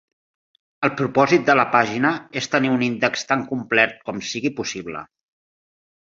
El propòsit de la pàgina és tenir un index tan complert com sigui possible.